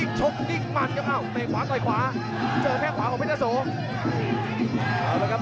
อีกชกอีกมันแม่ขวาต่อยขวาเจอแพทย์ขวาของเพชรเจ้าโส